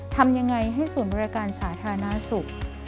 ทำยังไงให้ศูนย์บริการสาธารณสุข